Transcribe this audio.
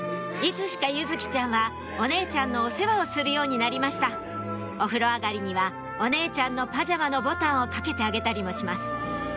いつしか柚來ちゃんはお姉ちゃんのお世話をするようになりましたお風呂上がりにはお姉ちゃんのパジャマのボタンをかけてあげたりもします